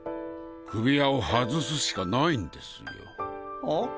首輪を外すしかないんですよ。は？